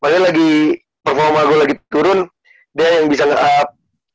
jadi performa gue lagi turun dia yang bisa nge up